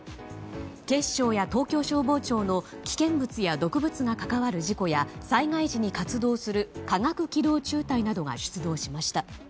警視庁は東京消防庁の危険物や毒物が関わる事故や災害時に活動する化学機動中隊などが出動しました。